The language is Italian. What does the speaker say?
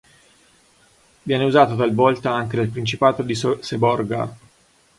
Viene usato talvolta anche dal Principato di Seborga.